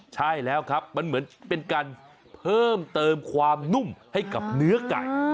ใช่แล้วครับมันเหมือนเป็นการเพิ่มเติมความนุ่มให้กับเนื้อไก่